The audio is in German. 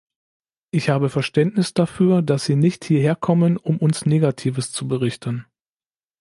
Ich habe Verständnis dafür, dass Sie nicht hierherkommen, um uns Negatives zu berichten.